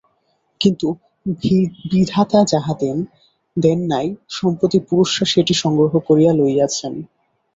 কিন্তু বিধাতা যাহা দেন নাই সম্প্রতি পুরুষরা সেটি সংগ্রহ করিয়া লইয়াছেন।